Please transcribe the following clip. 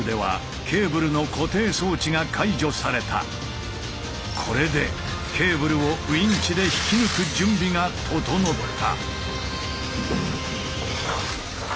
同じ頃内部ではこれでケーブルをウインチで引き抜く準備が整った。